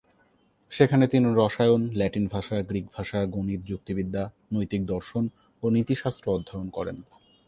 সেখানে তিনি রসায়ন, ল্যাটিন ভাষা, গ্রিক ভাষা, গণিত, যুক্তিবিদ্যা, নৈতিক দর্শন ও নীতিশাস্ত্র অধ্যয়ন করেন।